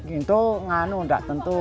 itu nganu nggak tentu